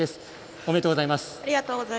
おめでとうございます。